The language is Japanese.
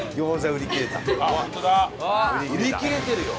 売り切れてるよ！